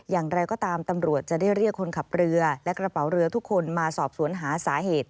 อย่างไรก็ตามตำรวจจะได้เรียกคนขับเรือและกระเป๋าเรือทุกคนมาสอบสวนหาสาเหตุ